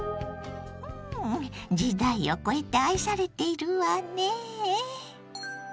時代を超えて愛されているわね。